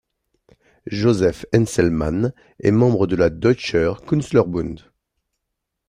Josef Henselmann est membre de la Deutscher Künstlerbund.